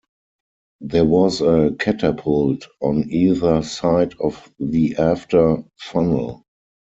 There was a catapult on either side of the after funnel.